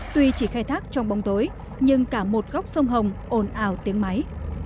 tuy chỉ khai thác trong bóng tối nhưng cả một góc sông hồng ồn ào tiếng máy